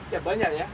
ya banyak ya